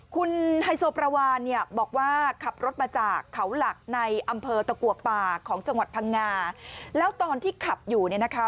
ศรีพันวาภูเก็ตไงคือ๑๐๐๐๐มเลยนะคะ